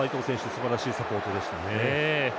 すばらしいサポートでしたね。